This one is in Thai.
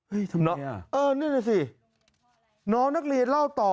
เฮ่ยทำไมนี่อ่ะนั่นน่ะสิน้องนักเรียนเล่าต่อ